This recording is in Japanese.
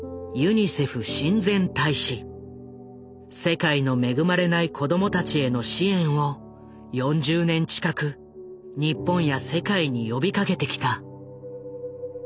世界の恵まれない子供たちへの支援を４０年近く日本や世界に呼びかけてきた。